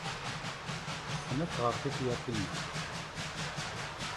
Tessen ad tɣer tifyar tinna.